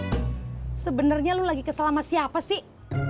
pur sebenarnya lo lagi kesel sama siapa sih